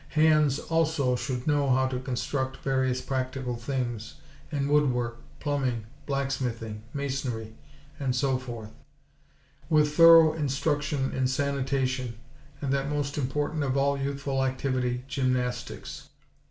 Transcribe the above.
Hands also should know how to construct various practical things in woodwork, plumbing, blacksmithing, masonry, and so forth; with thorough instruction in sanitation, and that most important of all youthful activity, gymnastics.